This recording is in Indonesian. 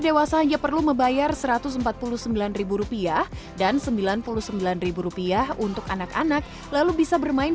dewasa hanya perlu membayar satu ratus empat puluh sembilan rupiah dan sembilan puluh sembilan rupiah untuk anak anak lalu bisa bermain